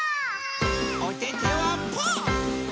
おててはパー！